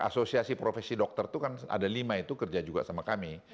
asosiasi profesi dokter itu kan ada lima itu kerja juga sama kami